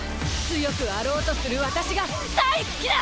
強くあろうとする私が大好きだ！